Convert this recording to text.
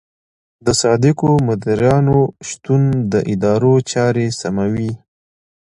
د صادقو مدیرانو شتون د ادارو چارې سموي.